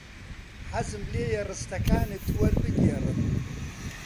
حەزم لێیە ڕستەکانت وەربگێڕم.